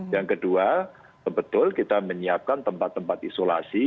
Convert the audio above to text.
yang kedua betul kita menyiapkan tempat tempat isolasi